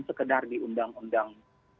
sekedar di undang undang